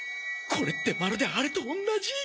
これってまるで「あれ」とおんなじ。